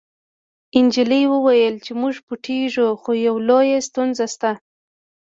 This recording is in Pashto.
نجلۍ وویل چې موږ پټیږو خو یوه لویه ستونزه شته